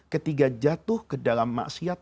ketika jatuh ke dalam maksiat ⁇